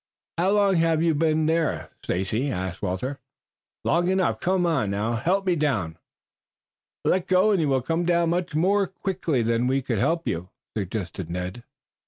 "How long have you been there, Stacy?" asked Walter. "Long enough. Come, help me down." "Let go and you will come down much more quickly than we could help you," suggested Ned.